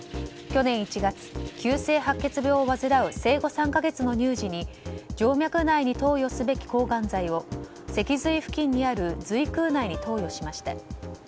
去年１月、急性白血病を患う生後３か月の乳児に静脈内に投与すべき抗がん剤を脊髄付近にある髄腔内に投与しました。